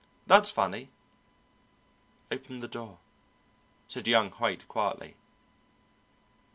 That's funny!" "Open the door," said young Haight quietly.